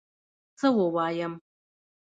څه ووایم